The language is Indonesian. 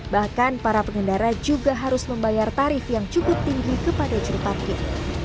bahkan para pengendara juga harus membayar tarif yang cukup tinggi kepada juru parkir